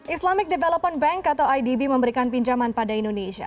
islamic development bank atau idb memberikan pinjaman pada indonesia